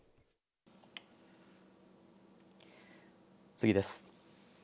次です。